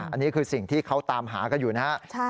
อันนี้คือสิ่งที่เขาตามหากันอยู่นะครับ